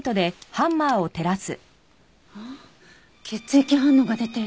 あっ血液反応が出てる。